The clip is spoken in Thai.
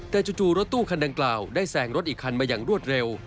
แต่จู่รถตู้คันดังกล่าวได้แสงรถอีกคันมาอย่างรวดเร็ว